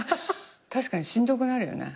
確かにしんどくなるよね。